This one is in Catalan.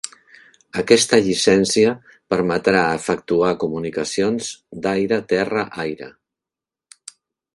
Aquesta llicència permetrà efectuar comunicacions d'aire-terra-aire.